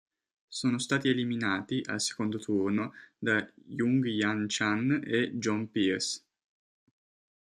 Sono stati eliminati al secondo turno da Yung-Jan Chan e John Peers.